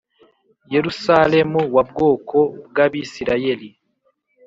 Yerusalemu wa bwoko bw abisirayeli